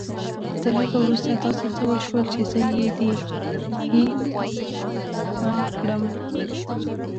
تر هغه وروسته داسې څه وشول چې زه يې هيλε مند کړم.